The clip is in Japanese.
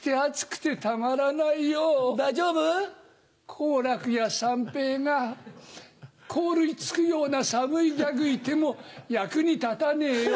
好楽や三平が凍りつくような寒いギャグ言っても役に立たねえよ。